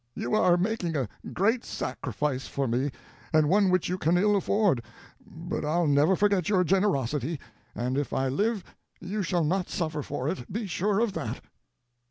"You are making a great sacrifice for me, and one which you can ill afford, but I'll never forget your generosity, and if I live you shall not suffer for it, be sure of that."